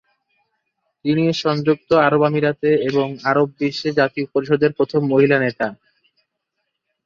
তিনি সংযুক্ত আরব আমিরাতে এবং আরব বিশ্বের জাতীয় পরিষদের প্রথম মহিলা নেতা।